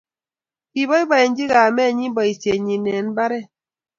kiboiboichi kamenyu boisienyin eng' mbaret.